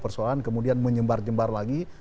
persoalan kemudian menyebar nyebar lagi